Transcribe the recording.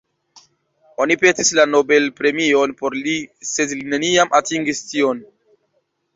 Oni petis la Nobelpremion por li, sed li neniam atingis tion.